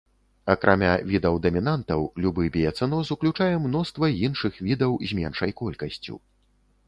Акрамя відаў-дамінантаў, любы біяцэноз уключае мноства іншых відаў з меншай колькасцю.